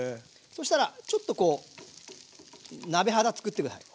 そしたらちょっとこう鍋肌作って下さい。